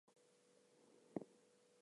I want to get to that place